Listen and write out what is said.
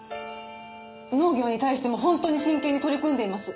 農業に対しても本当に真剣に取り組んでいます。